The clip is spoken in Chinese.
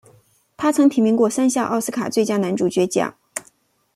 他曾提名过三项奥斯卡最佳男主角奖。